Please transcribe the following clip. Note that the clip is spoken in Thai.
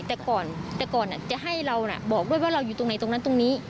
แต่ก่อนแต่ก่อนจะให้เราบอกด้วยว่าเราอยู่ตรงไหนตรงนั้นตรงนี้